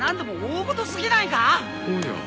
おや。